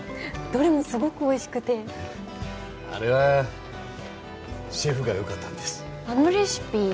どれもすごくおいしくてあれはシェフがよかったんですあのレシピ